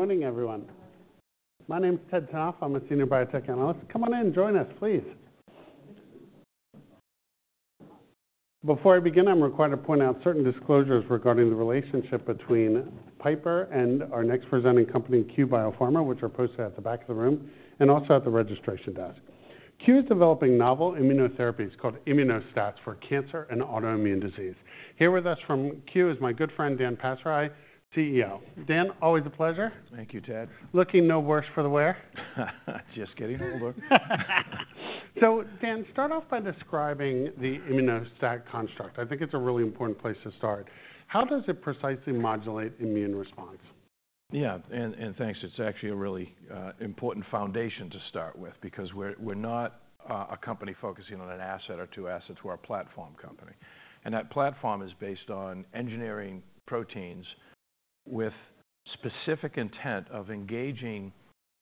Morning, everyone. My name's Ted Tenthoff. I'm a senior biotech analyst. Come on in. Join us, please. Before I begin, I'm required to point out certain disclosures regarding the relationship between Piper and our next presenting company, Cue Biopharma, which are posted at the back of the room and also at the registration desk. Cue is developing novel immunotherapies called Immuno-STATs for cancer and autoimmune disease. Here with us from Cue is my good friend Dan Passeri, CEO. Dan, always a pleasure. Thank you, Ted. Looking no worse for the wear. Just kidding. So Dan, start off by describing the Immuno-STAT construct. I think it's a really important place to start. How does it precisely modulate immune response? Yeah, and thanks. It's actually a really important foundation to start with because we're not a company focusing on an asset or two assets. We're a platform company. And that platform is based on engineering proteins with a specific intent of engaging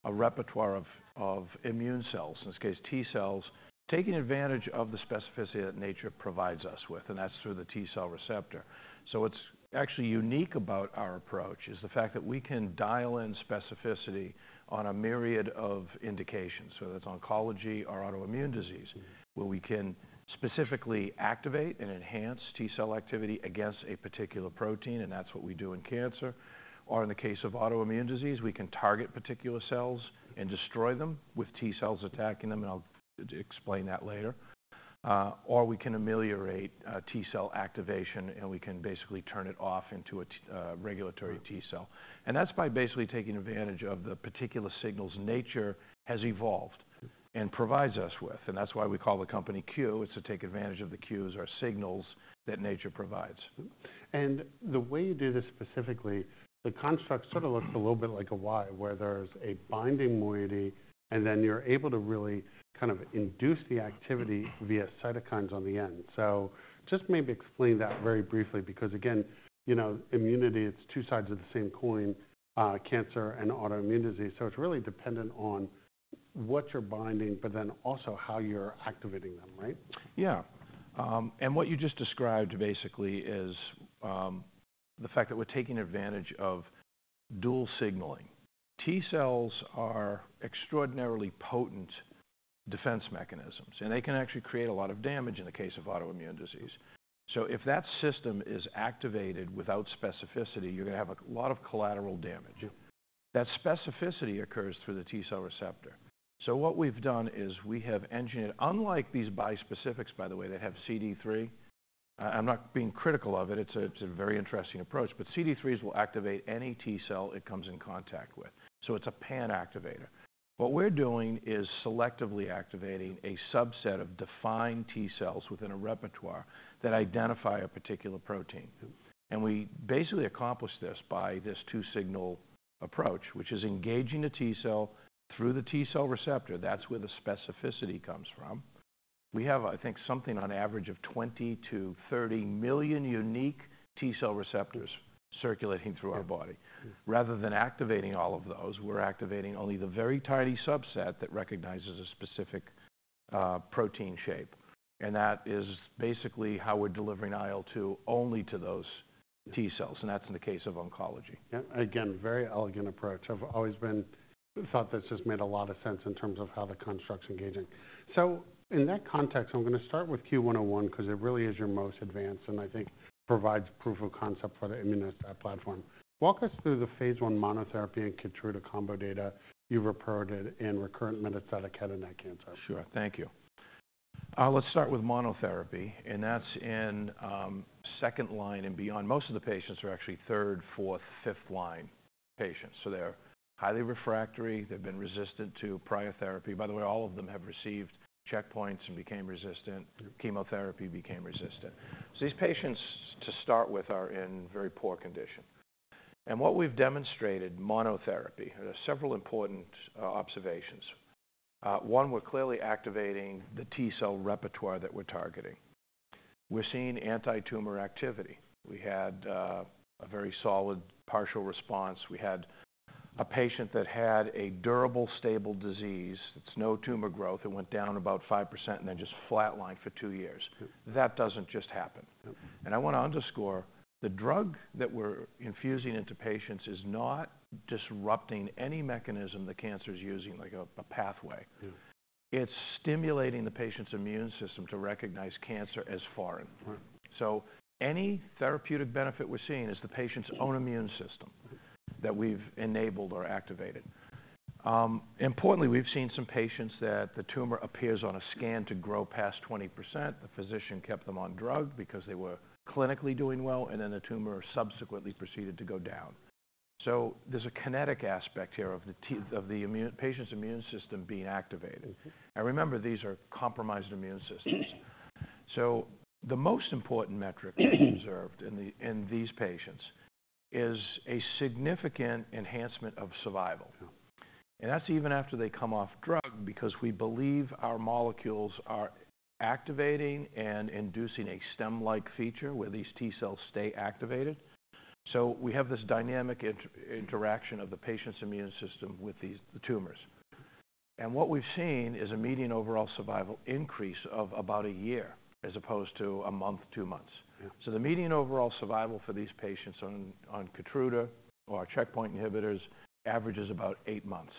a repertoire of immune cells, in this case, T cells, taking advantage of the specificity that nature provides us with, and that's through the T cell receptor. So what's actually unique about our approach is the fact that we can dial in specificity on a myriad of indications. So that's oncology or autoimmune disease, where we can specifically activate and enhance T cell activity against a particular protein, and that's what we do in cancer. Or in the case of autoimmune disease, we can target particular cells and destroy them with T cells attacking them, and I'll explain that later. Or we can ameliorate T cell activation, and we can basically turn it off into a regulatory T cell. And that's by basically taking advantage of the particular signals nature has evolved and provides us with. And that's why we call the company Cue. It's to take advantage of the cues, our signals that nature provides. And the way you do this specifically, the construct sort of looks a little bit like a Y, where there's a binding moiety, and then you're able to really kind of induce the activity via cytokines on the end. So just maybe explain that very briefly, because again, you know, immunity. It's two sides of the same coin: cancer and autoimmune disease. So it's really dependent on what you're binding, but then also how you're activating them, right? Yeah. And what you just described basically is the fact that we're taking advantage of dual signaling. T cells are extraordinarily potent defense mechanisms, and they can actually create a lot of damage in the case of autoimmune disease. So if that system is activated without specificity, you're going to have a lot of collateral damage. That specificity occurs through the T cell receptor. So what we've done is we have engineered, unlike these bispecifics, by the way, that have CD3. I'm not being critical of it. It's a very interesting approach, but CD3s will activate any T cell it comes in contact with. So it's a pan-activator. What we're doing is selectively activating a subset of defined T cells within a repertoire that identify a particular protein. And we basically accomplish this by this two-signal approach, which is engaging the T cell through the T cell receptor. That's where the specificity comes from. We have, I think, something on average of 20-30 million unique T cell receptors circulating through our body. Rather than activating all of those, we're activating only the very tiny subset that recognizes a specific protein shape. And that is basically how we're delivering IL-2 only to those T cells. And that's in the case of oncology. Yeah, again, very elegant approach. I've always thought that's just made a lot of sense in terms of how the construct's engaging. So in that context, I'm going to start with CUE-101, because it really is your most advanced, and I think provides proof of concept for the Immuno-STAT platform. Walk us through the Phase 1 monotherapy and Keytruda combo data you reported in recurrent metastatic head and neck cancer. Sure. Thank you. Let's start with monotherapy, and that's in second line and beyond. Most of the patients are actually third, fourth, fifth line patients. So they're highly refractory. They've been resistant to prior therapy. By the way, all of them have received checkpoints and became resistant. Chemotherapy became resistant. So these patients, to start with, are in very poor condition. And what we've demonstrated monotherapy, there are several important observations. One, we're clearly activating the T cell repertoire that we're targeting. We're seeing anti-tumor activity. We had a very solid partial response. We had a patient that had a durable, stable disease. It's no tumor growth. It went down about 5% and then just flatlined for two years. That doesn't just happen. And I want to underscore the drug that we're infusing into patients is not disrupting any mechanism the cancer's using, like a pathway. It's stimulating the patient's immune system to recognize cancer as foreign. So any therapeutic benefit we're seeing is the patient's own immune system that we've enabled or activated. Importantly, we've seen some patients that the tumor appears on a scan to grow past 20%. The physician kept them on drug because they were clinically doing well, and then the tumor subsequently proceeded to go down. So there's a kinetic aspect here of the patient's immune system being activated. And remember, these are compromised immune systems. So the most important metric we've observed in these patients is a significant enhancement of survival. And that's even after they come off drug, because we believe our molecules are activating and inducing a stem-like feature where these T cells stay activated. So we have this dynamic interaction of the patient's immune system with the tumors. What we've seen is a median overall survival increase of about a year, as opposed to a month, two months. The median overall survival for these patients on Keytruda or our checkpoint inhibitors averages about eight months.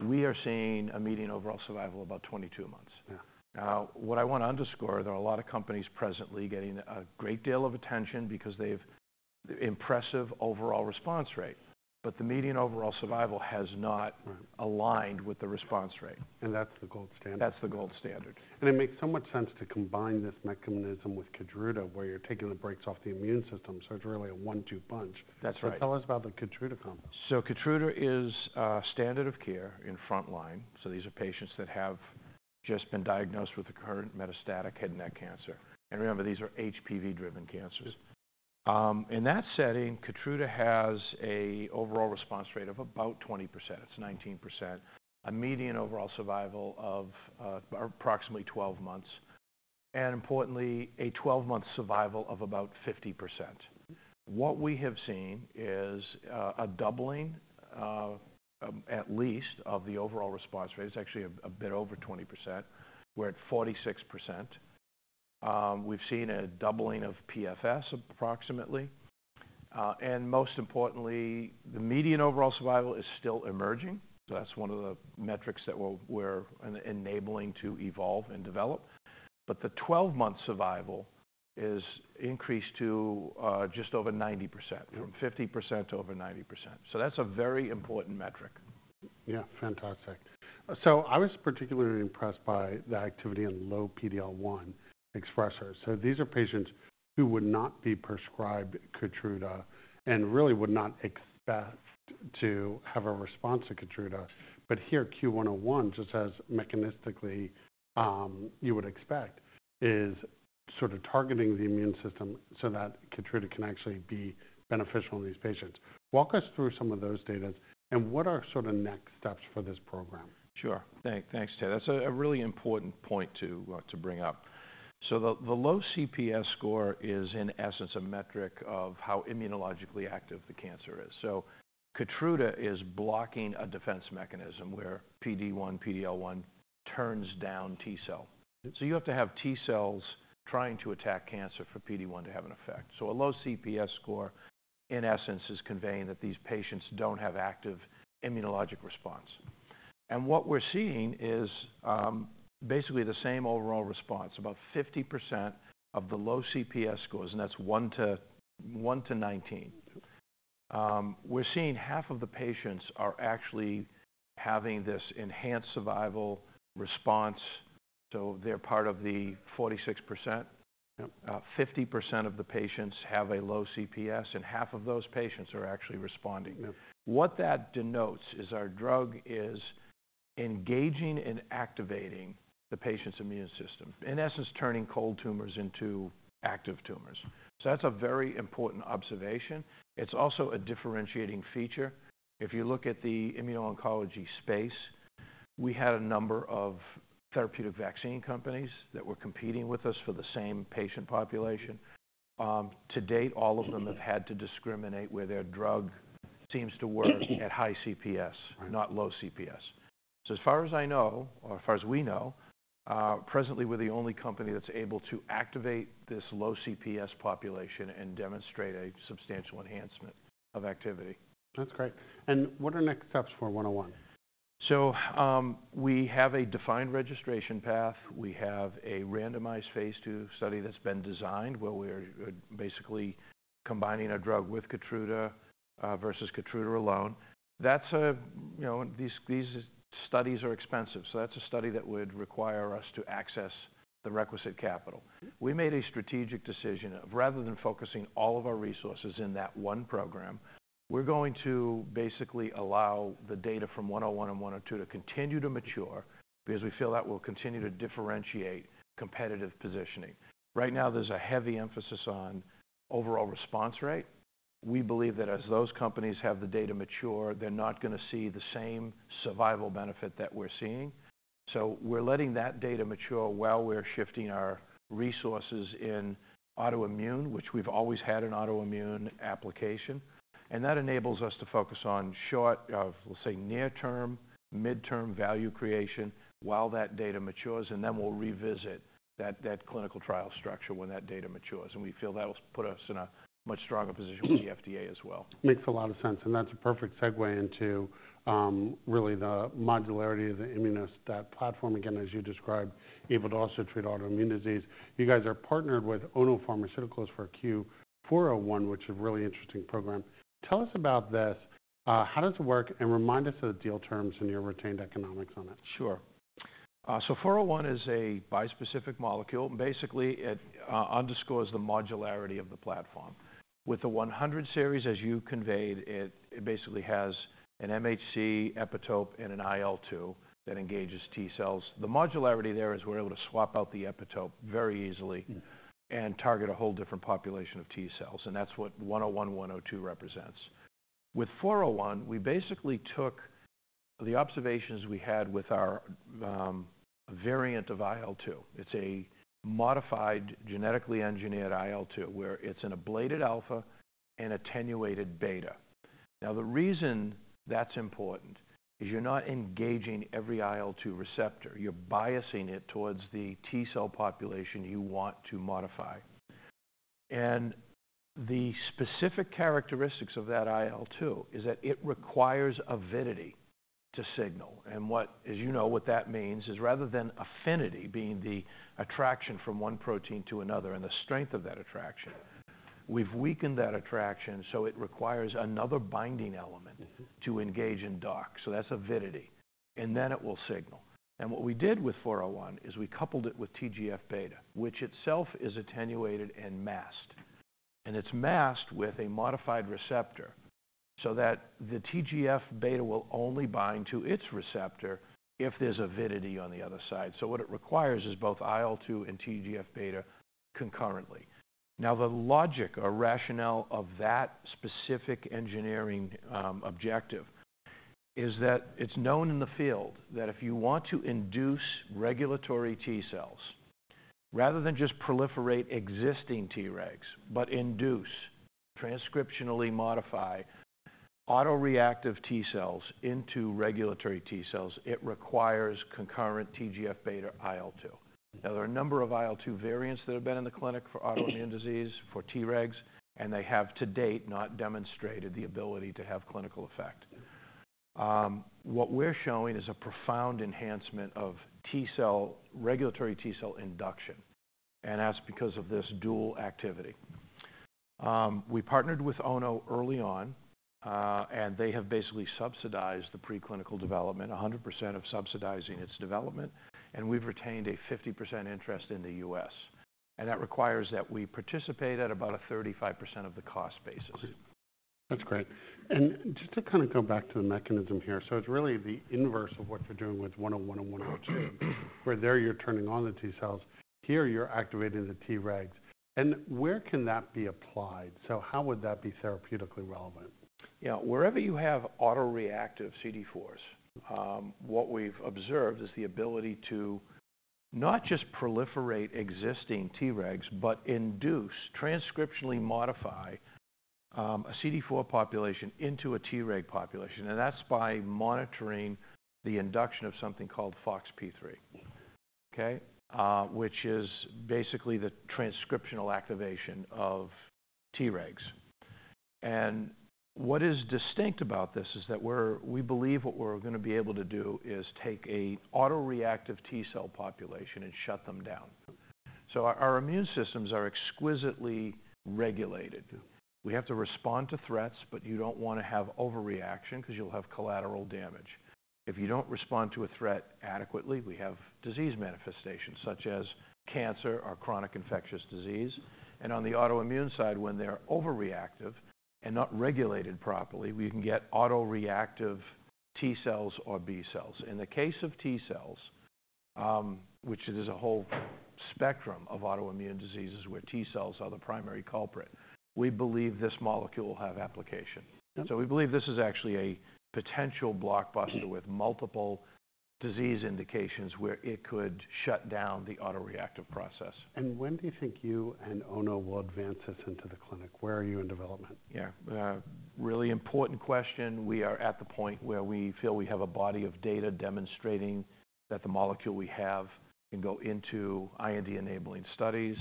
We are seeing a median overall survival of about 22 months. What I want to underscore is that there are a lot of companies presently getting a great deal of attention because they have impressive overall response rate, but the median overall survival has not aligned with the response rate. That's the gold standard. That's the gold standard. It makes so much sense to combine this mechanism with Keytruda, where you're taking the brakes off the immune system, so it's really a one-two punch. That's right. So tell us about the Keytruda combo? Keytruda is a standard of care in first line. These are patients that have just been diagnosed with recurrent metastatic head and neck cancer. Remember, these are HPV-driven cancers. In that setting, Keytruda has an overall response rate of about 20%. It's 19%. A median overall survival of approximately 12 months. Importantly, a 12-month survival of about 50%. What we have seen is a doubling, at least, of the overall response rate. It's actually a bit over 20%. We're at 46%. We've seen a doubling of PFS, approximately. Most importantly, the median overall survival is still emerging. That's one of the metrics that we're enabling to evolve and develop. The 12-month survival is increased to just over 90%, from 50% to over 90%. That's a very important metric. Yeah, fantastic. So I was particularly impressed by the activity in low PD-L1 expressors. So these are patients who would not be prescribed Keytruda and really would not expect to have a response to Keytruda. But here, CUE-101, just as mechanistically you would expect, is sort of targeting the immune system so that Keytruda can actually be beneficial in these patients. Walk us through some of those data, and what are sort of next steps for this program? Sure. Thanks, Ted. That's a really important point to bring up, so the low CPS score is, in essence, a metric of how immunologically active the cancer is, so Keytruda is blocking a defense mechanism where PD-1, PD-L1 turns down T cell, so you have to have T cells trying to attack cancer for PD-1 to have an effect, so a low CPS score, in essence, is conveying that these patients don't have active immunologic response, and what we're seeing is basically the same overall response. About 50% of the low CPS scores, and that's 1 to 19. We're seeing half of the patients are actually having this enhanced survival response, so they're part of the 46%. 50% of the patients have a low CPS, and half of those patients are actually responding. What that denotes is our drug is engaging and activating the patient's immune system, in essence, turning cold tumors into active tumors. So that's a very important observation. It's also a differentiating feature. If you look at the immuno-oncology space, we had a number of therapeutic vaccine companies that were competing with us for the same patient population. To date, all of them have had to discriminate where their drug seems to work at high CPS, not low CPS. So as far as I know, or as far as we know, presently, we're the only company that's able to activate this low CPS population and demonstrate a substantial enhancement of activity. That's great. And what are next steps for 101? We have a defined registration path. We have a randomized Phase 2 study that's been designed, where we're basically combining a drug with Keytruda versus Keytruda alone. These studies are expensive. That's a study that would require us to access the requisite capital. We made a strategic decision of, rather than focusing all of our resources in that one program, we're going to basically allow the data from 101 and 102 to continue to mature because we feel that will continue to differentiate competitive positioning. Right now, there's a heavy emphasis on overall response rate. We believe that as those companies have the data mature, they're not going to see the same survival benefit that we're seeing. We're letting that data mature while we're shifting our resources in autoimmune, which we've always had an autoimmune application. That enables us to focus on short, let's say, near-term, mid-term value creation while that data matures, and then we'll revisit that clinical trial structure when that data matures. We feel that'll put us in a much stronger position with the FDA as well. Makes a lot of sense, and that's a perfect segue into really the modularity of the Immuno-STAT platform. Again, as you described, able to also treat autoimmune disease. You guys are partnered with Ono Pharmaceutical for CUE-401, which is a really interesting program. Tell us about this. How does it work, and remind us of the deal terms and your retained economics on it. Sure. So 401 is a bispecific molecule. Basically, it underscores the modularity of the platform. With the 100 series, as you conveyed, it basically has an MHC, epitope, and an IL-2 that engages T cells. The modularity there is we're able to swap out the epitope very easily and target a whole different population of T cells. And that's what 101, 102 represents. With 401, we basically took the observations we had with our variant of IL-2. It's a modified, genetically engineered IL-2, where it's an ablated alpha and attenuated beta. Now, the reason that's important is you're not engaging every IL-2 receptor. You're biasing it towards the T cell population you want to modify. And the specific characteristics of that IL-2 is that it requires avidity to signal. And as you know, what that means is rather than affinity, being the attraction from one protein to another and the strength of that attraction, we've weakened that attraction, so it requires another binding element to engage and dock. So that's avidity. And then it will signal. And what we did with 401 is we coupled it with TGF-beta, which itself is attenuated and masked. And it's masked with a modified receptor so that the TGF-beta will only bind to its receptor if there's avidity on the other side. So what it requires is both IL-2 and TGF-beta concurrently. Now, the logic or rationale of that specific engineering objective is that it's known in the field that if you want to induce regulatory T cells, rather than just proliferate existing Tregs, but induce, transcriptionally modify, autoreactive T cells into regulatory T cells, it requires concurrent TGF-beta IL-2. Now, there are a number of IL-2 variants that have been in the clinic for autoimmune disease, for Tregs, and they have to date not demonstrated the ability to have clinical effect. What we're showing is a profound enhancement of regulatory T cell induction. And that's because of this dual activity. We partnered with Ono early on, and they have basically subsidized the preclinical development, 100% of subsidizing its development. And we've retained a 50% interest in the U.S. And that requires that we participate at about a 35% of the cost basis. That's great. And just to kind of go back to the mechanism here, so it's really the inverse of what you're doing with 101 and 102, where there you're turning on the T cells. Here, you're activating the Tregs. And where can that be applied? So how would that be therapeutically relevant? Yeah, wherever you have autoreactive CD4s, what we've observed is the ability to not just proliferate existing Tregs, but induce, transcriptionally modify, a CD4 population into a Treg population. And that's by monitoring the induction of something called FOXP3, okay, which is basically the transcriptional activation of Tregs. And what is distinct about this is that we believe what we're going to be able to do is take an autoreactive T cell population and shut them down. So our immune systems are exquisitely regulated. We have to respond to threats, but you don't want to have overreaction because you'll have collateral damage. If you don't respond to a threat adequately, we have disease manifestations, such as cancer or chronic infectious disease. And on the autoimmune side, when they're overreactive and not regulated properly, we can get autoreactive T cells or B cells. In the case of T cells, which is a whole spectrum of autoimmune diseases where T cells are the primary culprit, we believe this molecule will have application, so we believe this is actually a potential blockbuster with multiple disease indications where it could shut down the autoreactive process. When do you think you and Ono will advance this into the clinic? Where are you in development? Yeah, really important question. We are at the point where we feel we have a body of data demonstrating that the molecule we have can go into IND-enabling studies.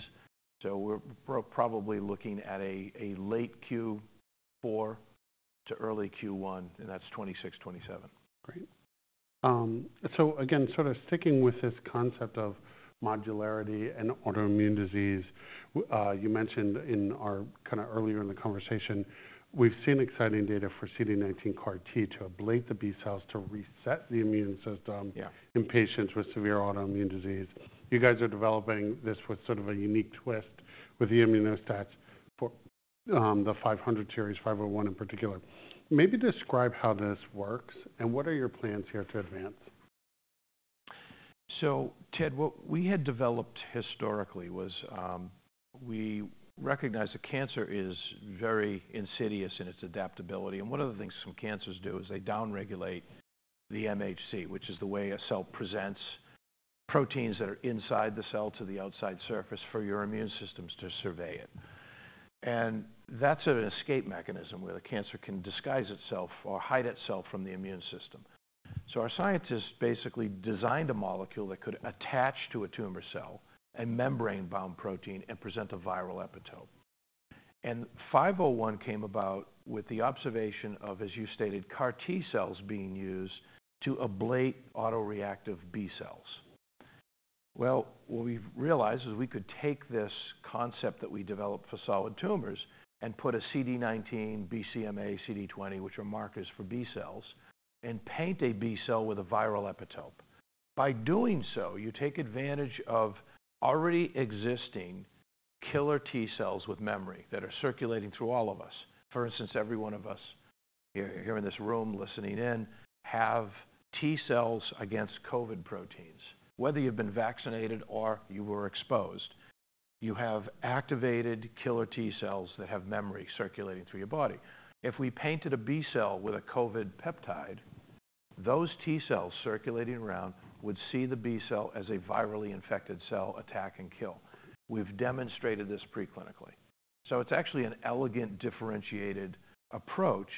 So we're probably looking at a late Q4 to early Q1, and that's 2026, 2027. Great. So again, sort of sticking with this concept of modularity in autoimmune disease, you mentioned in our kind of earlier in the conversation, we've seen exciting data for CD19 CAR T to ablate the B cells to reset the immune system in patients with severe autoimmune disease. You guys are developing this with sort of a unique twist with the Immuno-STATs, the 500 series, 501 in particular. Maybe describe how this works and what are your plans here to advance? So Ted, what we had developed historically was we recognize that cancer is very insidious in its adaptability. And one of the things some cancers do is they downregulate the MHC, which is the way a cell presents proteins that are inside the cell to the outside surface for your immune systems to survey it. And that's an escape mechanism where the cancer can disguise itself or hide itself from the immune system. So our scientists basically designed a molecule that could attach to a tumor cell and membrane-bound protein and present a viral epitope. And CUE-501 came about with the observation of, as you stated, CAR T cells being used to ablate autoreactive B cells. What we realized is we could take this concept that we developed for solid tumors and put a CD19, BCMA, CD20, which are markers for B cells, and paint a B cell with a viral epitope. By doing so, you take advantage of already existing killer T cells with memory that are circulating through all of us. For instance, every one of us here in this room listening in have T cells against COVID proteins. Whether you've been vaccinated or you were exposed, you have activated killer T cells that have memory circulating through your body. If we painted a B cell with a COVID peptide, those T cells circulating around would see the B cell as a virally infected cell, attack and kill. We've demonstrated this preclinically. So it's actually an elegant differentiated approach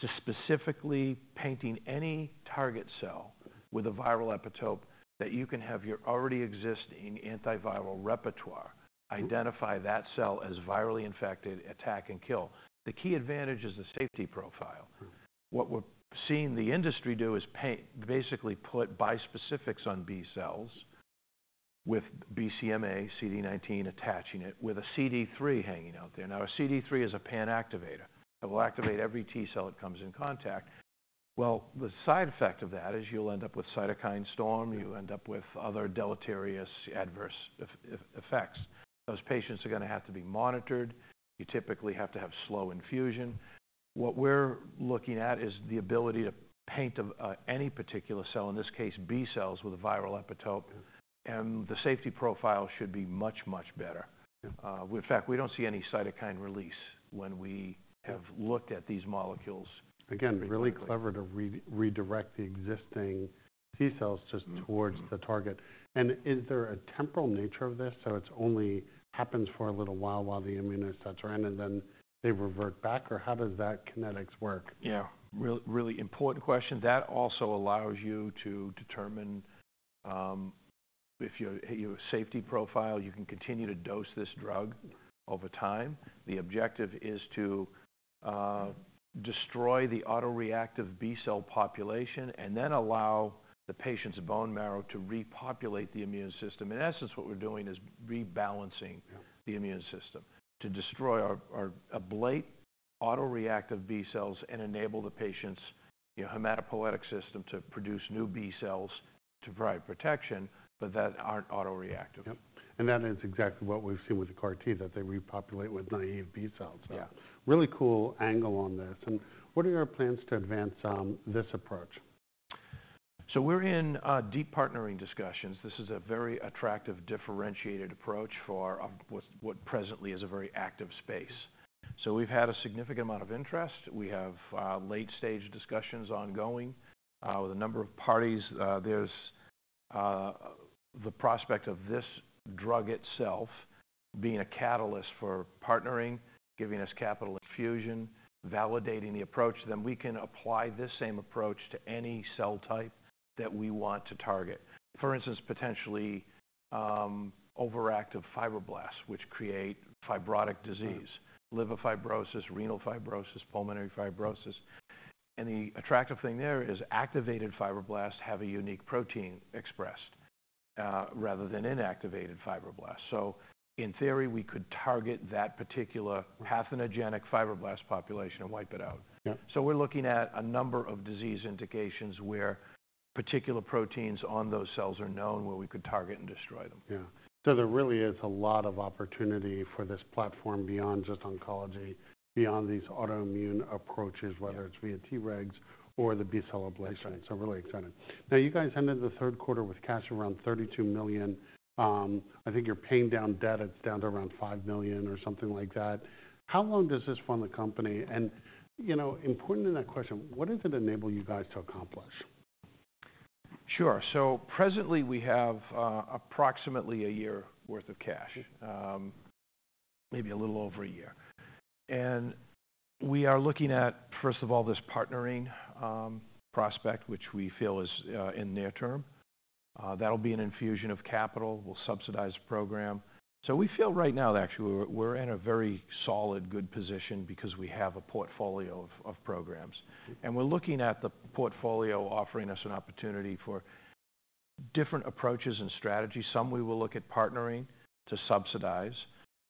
to specifically painting any target cell with a viral epitope that you can have your already existing antiviral repertoire, identify that cell as virally infected, attack and kill. The key advantage is the safety profile. What we're seeing the industry do is basically put bispecifics on B cells with BCMA, CD19 attaching it with a CD3 hanging out there. Now, a CD3 is a panactivator. It will activate every T cell that comes in contact. Well, the side effect of that is you'll end up with cytokine storm. You end up with other deleterious adverse effects. Those patients are going to have to be monitored. You typically have to have slow infusion. What we're looking at is the ability to paint any particular cell, in this case, B cells with a viral epitope. And the safety profile should be much, much better. In fact, we don't see any cytokine release when we have looked at these molecules. Again, really clever to redirect the existing T cells just towards the target. And is there a temporal nature of this? So it only happens for a little while while the Immuno-STATs are in, and then they revert back? Or how does that kinetics work? Yeah, really important question. That also allows you to determine if your safety profile, you can continue to dose this drug over time. The objective is to destroy the autoreactive B cell population and then allow the patient's bone marrow to repopulate the immune system. In essence, what we're doing is rebalancing the immune system to destroy or ablate autoreactive B cells and enable the patient's hematopoietic system to produce new B cells to provide protection, but that aren't autoreactive. Yep. And that is exactly what we've seen with the CAR T, that they repopulate with naive B cells. Really cool angle on this. And what are your plans to advance this approach? So we're in deep partnering discussions. This is a very attractive differentiated approach for what presently is a very active space. So we've had a significant amount of interest. We have late-stage discussions ongoing with a number of parties. There's the prospect of this drug itself being a catalyst for partnering, giving us capital infusion, validating the approach, then we can apply this same approach to any cell type that we want to target. For instance, potentially overactive fibroblasts, which create fibrotic disease, liver fibrosis, renal fibrosis, pulmonary fibrosis. And the attractive thing there is activated fibroblasts have a unique protein expressed rather than inactivated fibroblasts. So in theory, we could target that particular pathogenic fibroblast population and wipe it out. So we're looking at a number of disease indications where particular proteins on those cells are known, where we could target and destroy them. Yeah. So there really is a lot of opportunity for this platform beyond just oncology, beyond these autoimmune approaches, whether it's via Tregs or the B cell ablation. So really exciting. Now, you guys ended the third quarter with cash around $32 million. I think you're paying down debt. It's down to around $5 million or something like that. How long does this fund the company? And important in that question, what does it enable you guys to accomplish? Sure. So presently, we have approximately a year's worth of cash, maybe a little over a year. And we are looking at, first of all, this partnering prospect, which we feel is in the near term. That'll be an infusion of capital. We'll subsidize a program. So we feel right now that actually we're in a very solid, good position because we have a portfolio of programs. And we're looking at the portfolio offering us an opportunity for different approaches and strategies. Some we will look at partnering to subsidize.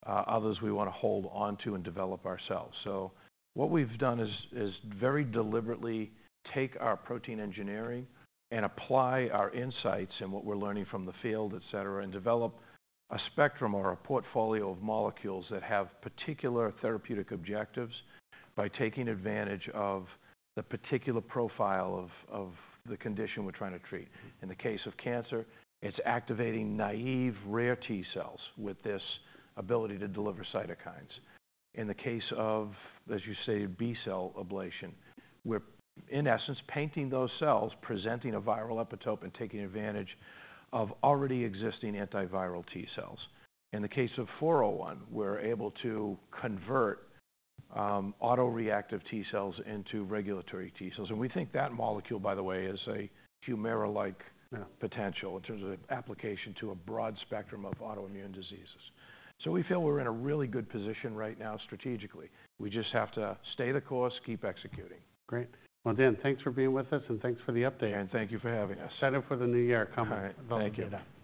Others we want to hold onto and develop ourselves. So what we've done is very deliberately take our protein engineering and apply our insights and what we're learning from the field, et cetera, and develop a spectrum or a portfolio of molecules that have particular therapeutic objectives by taking advantage of the particular profile of the condition we're trying to treat. In the case of cancer, it's activating naive rare T cells with this ability to deliver cytokines. In the case of, as you stated, B cell ablation, we're in essence painting those cells, presenting a viral epitope, and taking advantage of already existing antiviral T cells. In the case of 401, we're able to convert autoreactive T cells into regulatory T cells. And we think that molecule, by the way, is a Humira-like potential in terms of application to a broad spectrum of autoimmune diseases. So we feel we're in a really good position right now strategically. We just have to stay the course, keep executing. Great. Well, Dan, thanks for being with us and thanks for the update. Thank you for having us. Set it for the new year. Come on. All right. Thank you.